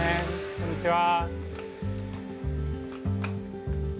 こんにちは。